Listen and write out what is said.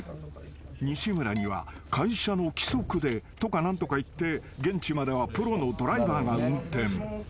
［西村には会社の規則でとか何とか言って現地まではプロのドライバーが運転］